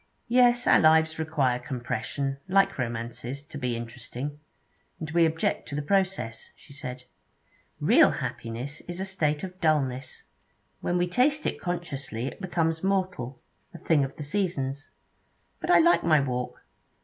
'Yes, our lives require compression, like romances, to be interesting, and we object to the process,' she said. 'Real happiness is a state of dulness. When we taste it consciously it becomes mortal a thing of the Seasons. But I like my walk.